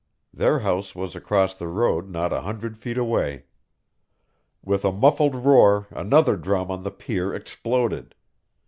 Their house was across the road not a hundred feet away. With a muffled roar another drum on the pier exploded.